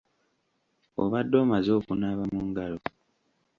Obadde omaze okunaaba mu ngalo?